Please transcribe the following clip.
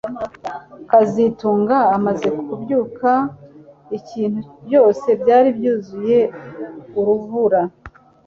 kazitunga amaze kubyuka ibintu byose byari byuzuye urubura